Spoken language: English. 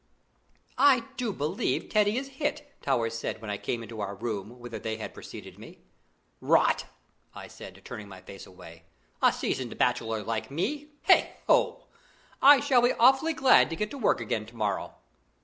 "I do believe Teddy is hit!" Towers said when I came into our room, whither they had preceded me. "Rot!" I said, turning my face away. "A seasoned bachelor like me. Heigho! I shall be awfully glad to get to work again to morrow."